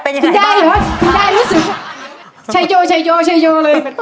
เป็นยังไงบ้างคุณยายรู้สึกชัยโยชัยโยชัยโยเลย